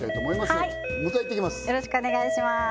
よろしくお願いします